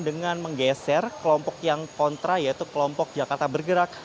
dengan menggeser kelompok yang kontra yaitu kelompok jakarta bergerak